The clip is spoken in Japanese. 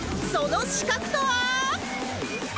その資格とは